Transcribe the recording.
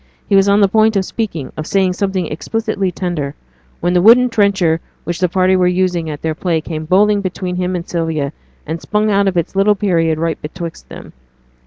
He was on the point of speaking, of saying something explicitly tender, when the wooden trencher which the party were using at their play, came bowling between him and Sylvia, and spun out its little period right betwixt them.